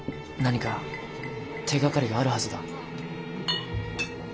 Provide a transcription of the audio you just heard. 何か手がかりがあるはずだ。